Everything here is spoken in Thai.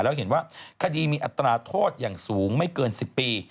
แล้วเห็นว่าคดีมีอัตราโทษอย่างสูงไม่เกิน๑๐ปี